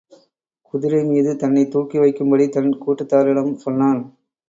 குதிரை மீது தன்னைத் தூக்கி வைக்கும்படி தன் கூட்டத்தாரிடம் சொன்னான்.